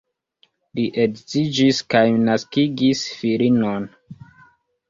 Li edziĝis kaj naskigis filinon.